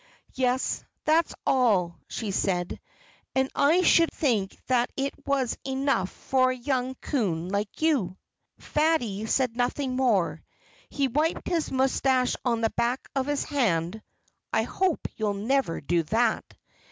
"Yes that's all," she said, "and I should think that it was enough for a young coon like you." Fatty said nothing more. He wiped his moustache on the back of his hand (I hope you'll never do that!)